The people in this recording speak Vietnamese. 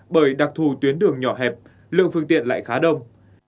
bởi đặc thù tuyến đường nhỏ hẹp lượng phương tiện lại khá đông